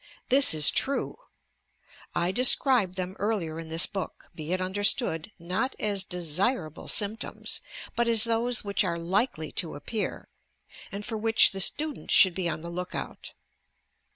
This is true! I de scribed them earlier in this book, be it understood, not as desirable sjinptoms, but as those which are likely to appear, and for which the student should be on the look out.